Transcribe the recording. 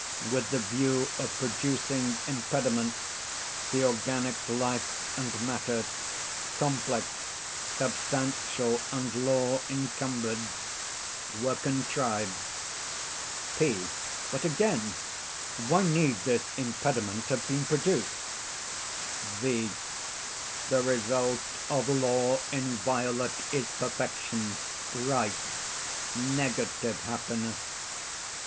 With the view of producing impediment, the organic life and matter, (complex, substantial, and law encumbered,) were contrived. P. But again—why need this impediment have been produced? V. The result of law inviolate is perfection—right—negative happiness.